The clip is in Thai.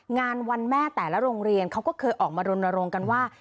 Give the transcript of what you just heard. งานวันแม่แต่ละโรงเรียนเขาก็เคยออกมารณรงค์กันว่า